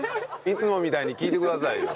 いつもみたいに聞いてくださいよ。